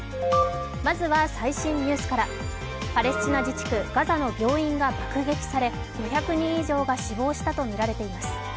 まずは最新ニュースからパレスチナ自治区ガザの病院が爆撃され、５００人以上が死亡したとみられています。